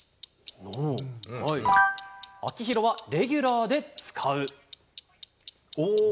秋広はレギュラーで使う。